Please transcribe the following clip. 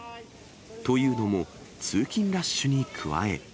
というのも、通勤ラッシュに加え。